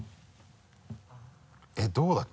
えっどうだっけ？